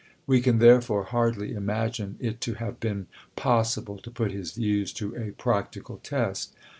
We can therefore hardly imagine it to have been pos sible to put his views to a practical test.